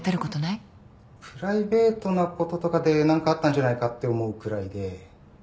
プライベートなこととかで何かあったんじゃないかって思うくらいで。